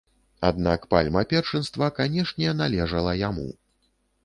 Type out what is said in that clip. Аднак пальма першынства, канешне, належала яму.